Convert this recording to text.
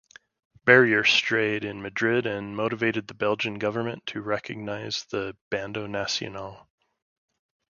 Berryer stayed in Madrid and motivated the Belgian government to recognise the "Bando nacional".